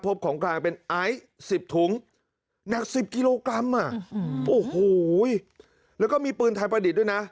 ของกลางเป็นไอซ์๑๐ถุงหนัก๑๐กิโลกรัมโอ้โหแล้วก็มีปืนไทยประดิษฐ์ด้วยนะ